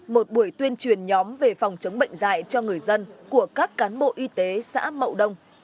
một buổi tuyên truyền nhóm về phòng chống bệnh dạy cho người dân của các cán bộ y tế xã mậu đông